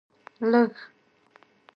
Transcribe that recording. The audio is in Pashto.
لږ